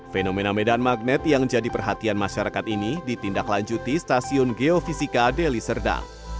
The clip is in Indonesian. fenomena medan magnet yang jadi perhatian masyarakat ini ditindaklanjuti stasiun geofisika deli serdang